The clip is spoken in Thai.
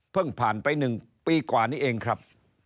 ผ่านไป๑ปีกว่านี้เองครับ